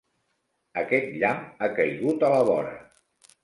Aquest llamp ha caigut a la vora.